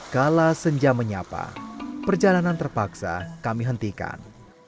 kala senja menyapa perjalanan terpaksa kami hentikan